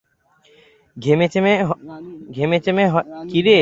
ঘেমেচেমে হয়রান হয়ে এলাম, একটু বিশ্রাম করতে দে।